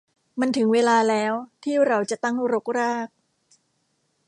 มันถึงเวลาแล้วที่เราจะตั้งรกราก